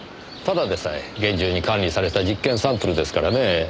ただでさえ厳重に管理された実験サンプルですからねえ。